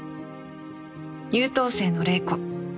優等生の玲子